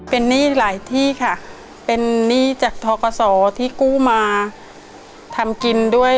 เป็นหนี้หลายที่ค่ะเป็นหนี้จากทกศที่กู้มาทำกินด้วย